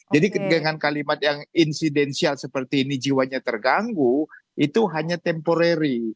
jadi dengan kalimat yang insidensial seperti ini jiwanya terganggu itu hanya temporary